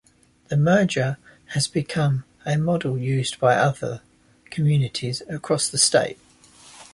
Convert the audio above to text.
The merger has become a model used by other communities across the state.